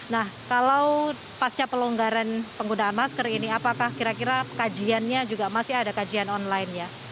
nah kalau pasca pelonggaran penggunaan masker ini apakah kira kira kajiannya juga masih ada kajian online ya